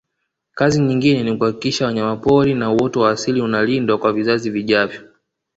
kazi nyingine ni kuhakisha wanyamapori na uoto wa asili unalindwa kwa vizazi vijavyo